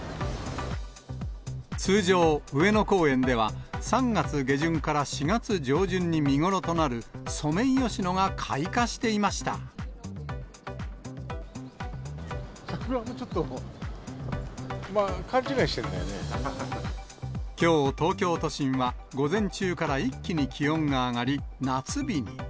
通常、上野公園では３月下旬から４月上旬ごろに見頃となるソメイヨシノ桜もちょっとまあ、勘違いしきょう東京都心は、午前中から一気に気温が上がり、夏日に。